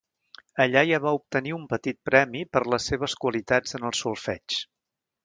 Allà ja va obtenir un petit premi per les seves qualitats en el solfeig.